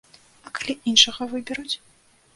А калі іншага выберуць?